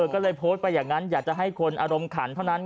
ก็เลยโพสต์ไปอย่างนั้นอยากจะให้คนอารมณ์ขันเท่านั้น